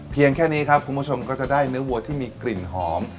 เพียงแค่นี้ครับคุณผู้ชมก็จะได้เนื้อวัวที่มีกลิ่นหอม